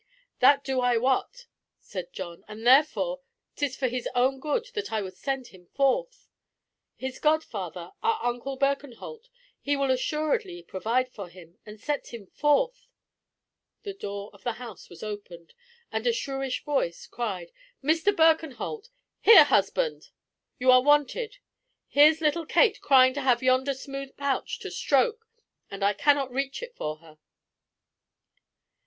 "That do I wot," said John, "and therefore, 'tis for his own good that I would send him forth. His godfather, our uncle Birkenholt, he will assuredly provide for him, and set him forth—" The door of the house was opened, and a shrewish voice cried, "Mr. Birkenholt—here, husband! You are wanted. Here's little Kate crying to have yonder smooth pouch to stroke, and I cannot reach it for her."